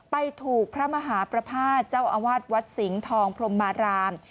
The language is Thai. ไปถูกพระมหาประภาษณ์เจ้าอาวาสวัดสิงห์ทองพรมมาราม